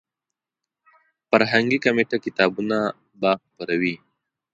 فرهنګي کمیټه کتابونه به خپروي.